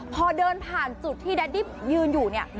พอเดินผ่านจุดที่แดดิบยืนอยู่เนี่ย